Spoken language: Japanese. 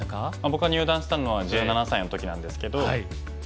僕が入段したのは１７歳の時なんですけど。